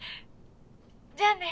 じゃあね。